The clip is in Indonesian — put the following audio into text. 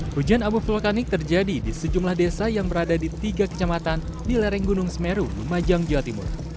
hujan abu vulkanik terjadi di sejumlah desa yang berada di tiga kecamatan di lereng gunung semeru lumajang jawa timur